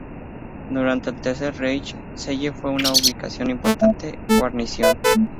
Durante el Tercer Reich, Celle fue una ubicación importante guarnición.